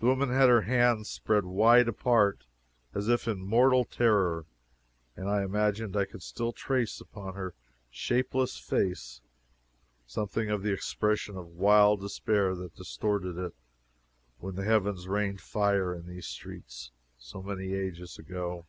The woman had her hands spread wide apart, as if in mortal terror, and I imagined I could still trace upon her shapeless face something of the expression of wild despair that distorted it when the heavens rained fire in these streets, so many ages ago.